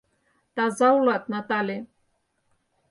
Таза улат, Натале!